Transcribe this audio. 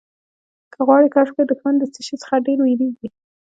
که غواړې کشف کړې دښمن د څه شي څخه ډېر وېرېږي.